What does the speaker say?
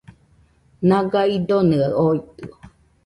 Naga idonɨaɨ oitɨo